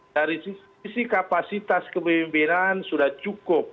dari sisi kapasitas kepemimpinan sudah cukup